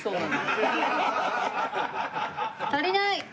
足りない？